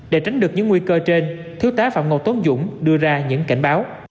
để tránh được những nguy cơ trên thiếu tá phạm ngọc tống dũng đưa ra những cảnh báo